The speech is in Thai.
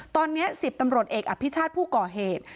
ตอนนี้๑๐ตำรวจเอกอภิชาติผู้ก่อเหตุ